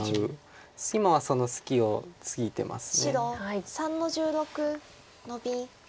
今はその隙をついてます。